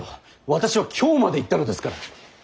私は京まで行ったのですから。